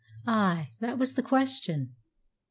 Ay, that was the question.